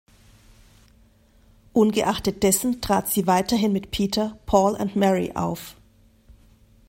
Ungeachtet dessen trat sie weiterhin mit Peter, Paul and Mary auf.